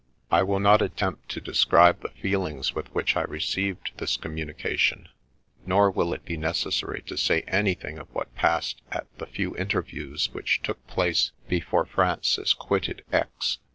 '" I will not attempt to describe the feelings with which I received this communication, nor will it be necessary to say anything of what passed at the few interviews which took place before Francis quitted X